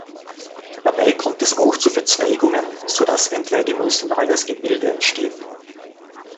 Dabei kommt es auch zu Verzweigungen, so dass ein dreidimensionales Gebilde entsteht.